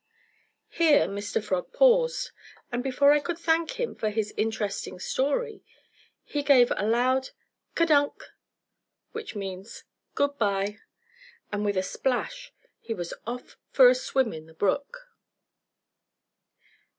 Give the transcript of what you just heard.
Here Mr. Frog paused, and before I could thank him for his interesting story, he gave a loud "kadunk," which means "good by," and with a splash he was off for a swim in the brook.